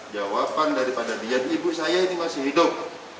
jawaban daripada dian ibu saya ini masih hidup